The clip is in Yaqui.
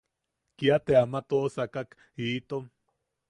Kia te ama toʼosakak itom.